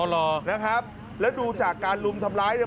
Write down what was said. แล้วดูจากการรุมทำร้ายเนี่ย